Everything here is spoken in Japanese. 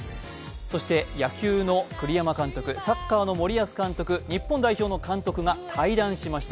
そして野球の栗山監督、サッカーの森保監督、日本代表の監督が対談しました。